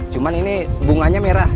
cuma ini bunganya merah